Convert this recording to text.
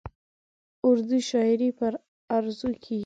اردو شاعري پر عروضو کېږي.